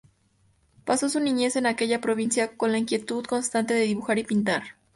Pasó su niñez en aquella provincia con la inquietud constante de dibujar y pintar.